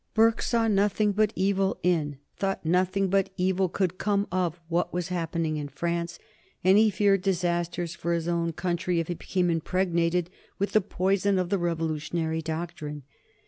Burke saw nothing but evil in, thought nothing but evil could come of, what was happening in France, and he feared disasters for his own country if it became impregnated with the poison of the revolutionary doctrine.